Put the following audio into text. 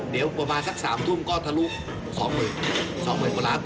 เดี๋ยวประมาณสัก๓ทุ่มก็ทะลุ๒๐๐๐๐กว่าล้านต่อ๑ใบแล้วนะครับ